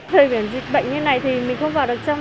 thời điểm dịch bệnh như này thì mình không vào được trong